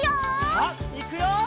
さあいくよ！